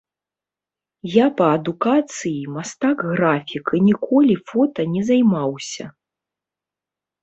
Я па адукацыі мастак-графік і ніколі фота не займаўся.